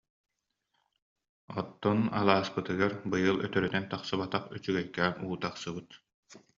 Оттон, алааспытыгар быйыл өтөрүнэн тахсыбатах үчүгэйкээн уу тахсыбыт